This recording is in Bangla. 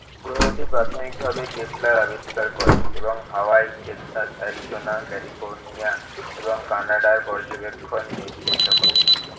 গ্রহটি প্রাথমিকভাবে কেপলার আবিষ্কার করে, এবং হাওয়াই, টেক্সাস, অ্যারিজোনা, ক্যালিফোর্নিয়া এবং কানাডার পর্যবেক্ষণ নিশ্চিত করে।